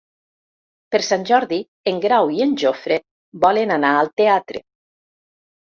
Per Sant Jordi en Grau i en Jofre volen anar al teatre.